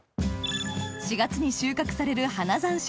４月に収穫されるえっ！